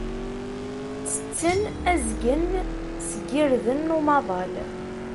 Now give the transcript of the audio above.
Ttetten azgen seg yirden n umaḍal.